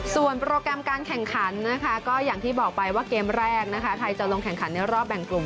ส่วนโปรแกรมการแข่งขันนะคะก็อย่างที่บอกไปว่าเกมแรกนะคะไทยจะลงแข่งขันในรอบแบ่งกลุ่ม